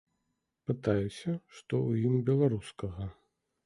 Пытаюся, што ў ім беларускага.